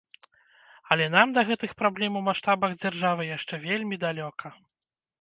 Але нам да гэтых праблем у маштабах дзяржавы яшчэ вельмі далёка.